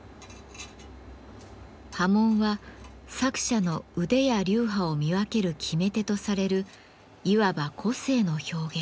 刃文は作者の腕や流派を見分ける決め手とされるいわば個性の表現。